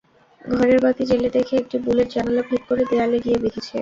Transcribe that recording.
ঘরের বাতি জ্বেলে দেখে, একটি বুলেট জানালা ভেদ করে দেয়ালে গিয়ে বিঁধেছে।